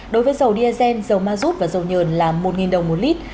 đối với dầu diazen dầu ma rút và dầu nhờn là một đồng một lít